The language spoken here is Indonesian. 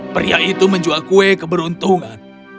pria itu menjual kue keberuntungan